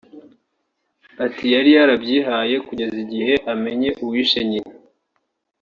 Ati “Yari yarabyihaye kugeza igihe amenye uwishe nyina